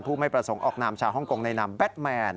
ไม่ประสงค์ออกนามชาวฮ่องกงในนามแบทแมน